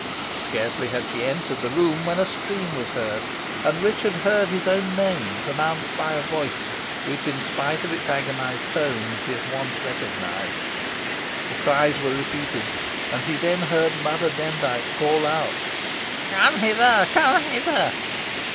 Scarcely had she entered the room when a scream was heard, and Richard heard his own name pronounced by a voice which, in spite of its agonised tones, he at once recognised. The cries were repeated, and he then heard Mother Demdike call out, "Come hither! come hither!"